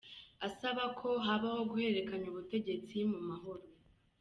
Asaba ko habaho guhererekanya ubutegetsi mu mahoro.